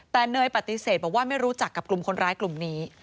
แต่เนยปฏิเสธบอกว่าไม่รู้จักกับกลุ่มคนร้ายกลุ่มนี้